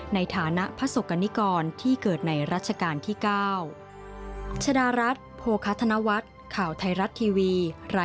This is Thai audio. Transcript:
ในฐานะพระศกกรณิกรที่เกิดในรัชกาลที่๙